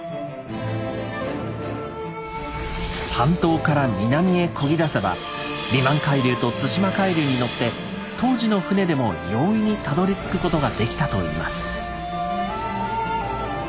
半島から南へこぎだせばリマン海流と対馬海流に乗って当時の舟でも容易にたどりつくことができたといいます。